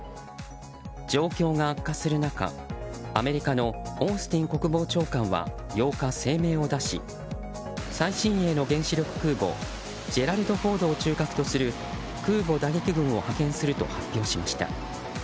状況が悪化する中アメリカのオースティン国防長官は８日、声明を出し最新鋭の原子力空母「ジェラルド・フォード」を空母打撃軍を派遣すると発表しました。